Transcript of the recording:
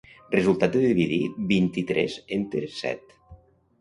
Resultat de dividir vint-i-tres entre set.